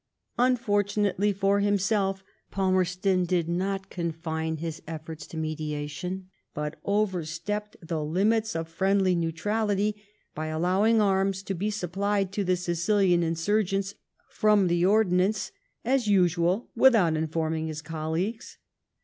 Un fortunately for himself, Palmerston did not confine his efforts to mediation, but overstepped the limits of friendly neutrality by allowing arms to be supplied to the Sicilian insurgents from the Ordnance — as usual, without informing his colleagues.